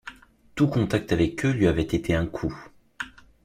Tout contact avec eux lui avait été un coup.